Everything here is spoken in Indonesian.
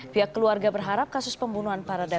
pihak keluarga berharap kasus pembunuhan parada